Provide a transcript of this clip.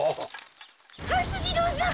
はす次郎さん！